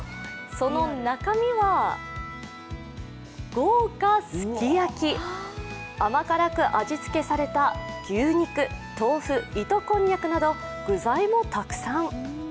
その中身は、豪華すき焼き、甘辛く味付けされた牛肉、豆腐、糸こんにゃくなど具材もたくさん。